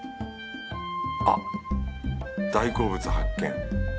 あっ大好物発見。